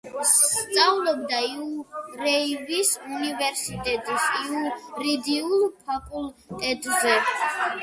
სწავლობდა იურიევის უნივერსიტეტის იურიდიულ ფაკულტეტზე.